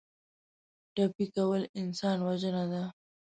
ټپي کول انسان وژنه ده.